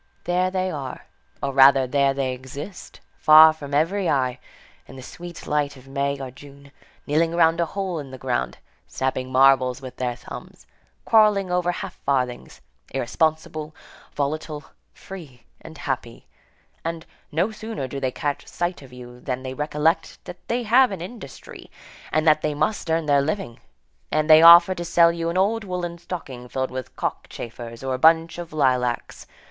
There they are, or rather, there they exist, far from every eye, in the sweet light of May or June, kneeling round a hole in the ground, snapping marbles with their thumbs, quarrelling over half farthings, irresponsible, volatile, free and happy; and, no sooner do they catch sight of you than they recollect that they have an industry, and that they must earn their living, and they offer to sell you an old woollen stocking filled with cockchafers, or a bunch of lilacs.